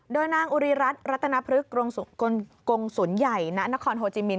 โดยนางอุรีรัฐรัฐนพฤกษ์กรงสุนใหญ่ณโฮจิมิน